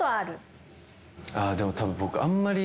でもたぶん僕あんまり。